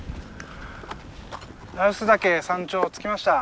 羅臼岳山頂着きました。